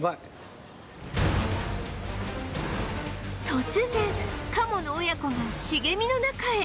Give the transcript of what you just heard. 突然カモの親子が茂みの中へ